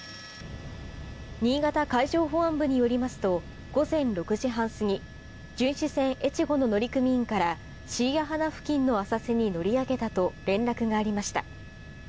新潟海上保安部によりますと午前６時半過ぎ巡視船「えちご」の乗組員から椎谷鼻付近の浅瀬に乗り上げたと連絡がありました。